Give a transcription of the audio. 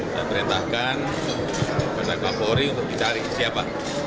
saya perintahkan kepada kapolri untuk dicari siapa